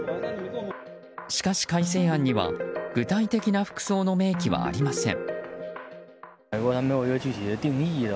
しかし、改正案には具体的な服装の明記はありません。